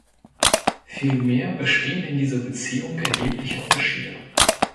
Vielmehr bestehen in dieser Beziehung erhebliche Unterschiede.